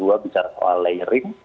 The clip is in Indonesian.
dua bicara soal layering